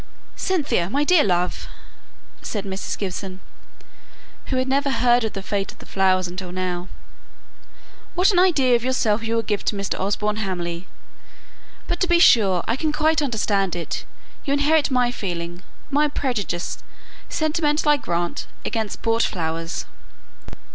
"Cynthia, my dear love!" said Mrs. Gibson (who had never heard of the fate of the flowers until now), "what an idea of yourself you will give to Mr. Osborne Hamley; but, to be sure, I can quite understand it. You inherit my feeling my prejudice sentimental I grant, against bought flowers."